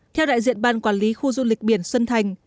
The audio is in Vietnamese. theo đại diện ban quản lý khu du lịch biển xuân thành